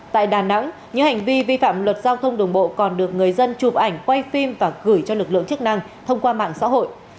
tại đà nẵng những hành vi vi phạm luật giao thông đường bộ còn được người dân chụp ảnh quay phim và gửi cho lực lượng chức năng thông qua mạng xã hội